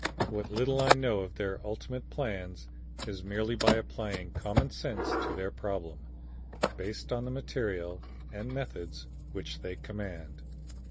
What little I know of their ultimate plans is merely by applying common sense to their problem, based on the material and methods which they command.